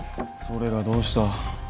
それがどうした？